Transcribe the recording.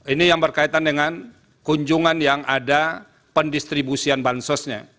ini yang berkaitan dengan kunjungan yang ada pendistribusian bansosnya